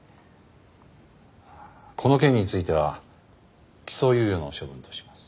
この件については起訴猶予の処分とします。